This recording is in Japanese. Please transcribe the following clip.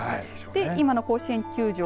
今の甲子園球場